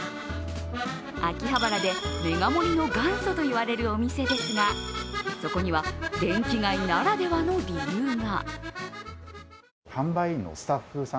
秋葉原でメガ盛りの元祖といわれるお店ですがそこには電気街ならではの理由が。